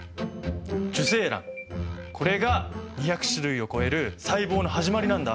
これが２００種類を超える細胞の始まりなんだ。